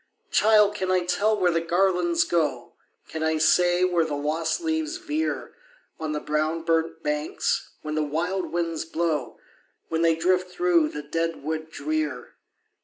"Child! can I tell where the garlands go? Can I say where the lost leaves veer On the brown burnt banks, when the wild winds blow, When they drift through the dead wood drear?